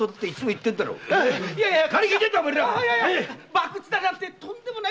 博打なんてとんでもない。